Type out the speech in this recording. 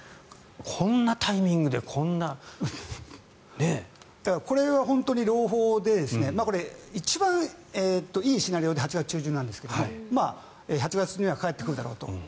こんなタイミングでこんな、ねえ。これは本当に朗報で一番いいシナリオで８月中旬なんですが８月には帰ってくるだろうと。